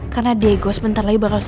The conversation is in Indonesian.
karena dego sebentar lagi bakal sadar